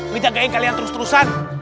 minta gayeng kalian terus terusan